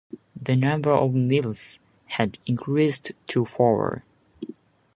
The number of mills had increased to four.